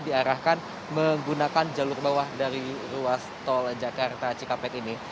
diarahkan menggunakan jalur bawah dari ruas tol jakarta cikampek ini